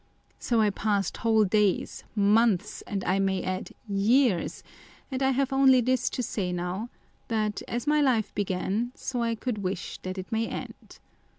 So I passed whole days, months, and I may add, years ; and have only this to say now, that as my life began, so I could wish that it may end.